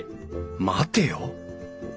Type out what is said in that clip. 待てよ。